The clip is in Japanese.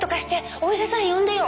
お医者さん呼んでよ！」